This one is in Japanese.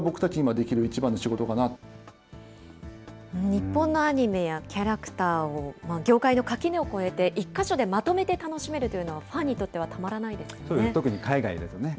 日本のアニメやキャラクターを、業界の垣根を越えて、１か所でまとめて楽しめるというのは、ファンにとってはたまらなそうですね。